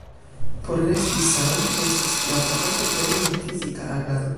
Por resti sana estas grava partopreni en fizika agado.